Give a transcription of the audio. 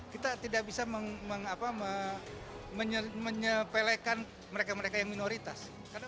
kita tidak bisa menyepelekan mereka mereka yang minoritas